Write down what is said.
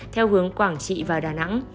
theo hướng quảng trị vào đà nẵng